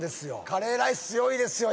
カレーライス強いですよ